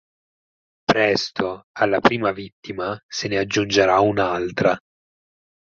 Presto alla prima vittima se ne aggiungerà un'altra.